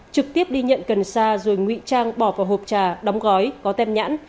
trực tiếp đi nhận cần xa rồi nguy trang bỏ vào hộp trà đóng gói có tem nhãn